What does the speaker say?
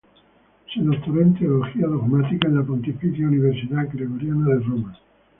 Se doctoró en teología dogmática en la Pontificia Universidad Gregoriana de Roma.